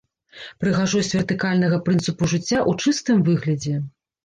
Прыгажосць вертыкальнага прынцыпу жыцця ў чыстым выглядзе!